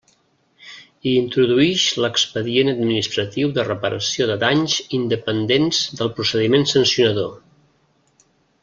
I introduïx l'expedient administratiu de reparació de danys independents del procediment sancionador.